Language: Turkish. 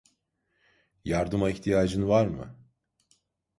Yardıma ihtiyacın var mı?